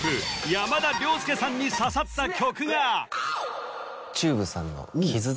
山田涼介さんに刺さった曲が！えっ？